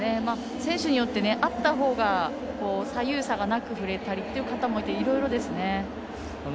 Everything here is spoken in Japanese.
選手によってあったほうが左右差がなく振れたりという方もいていろいろですね。